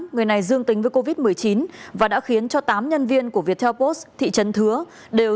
người này dương tính với covid một mươi chín và đã khiến cho tám nhân viên của viettel post thị trấn thứa đều